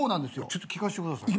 ちょっと聞かせてください。